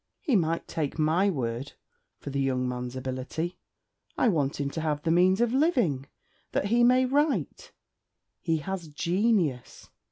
'He might take my word for the "young man's" ability. I want him to have the means of living, that he may write. He has genius.'